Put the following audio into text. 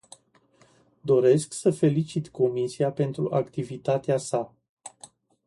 Doresc să felicit comisia pentru activitatea sa.